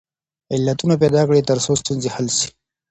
علتونه پیدا کړئ ترڅو ستونزې حل سي.